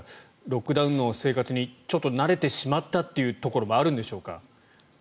ロックダウンの生活にちょっと慣れてしまったというところもあるんでしょうか？